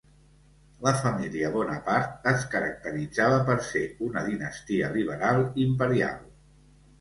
La família Bonaparte es caracteritzava per ser una dinastia liberal imperial.